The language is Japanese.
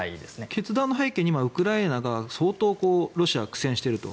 決断の背景にウクライナで相当ロシアが苦戦していると。